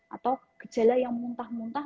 atau gejala yang muntah muntah